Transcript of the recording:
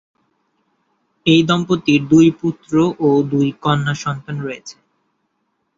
এই দম্পতির দুই পুত্র ও দুই কন্যা সন্তান রয়েছে।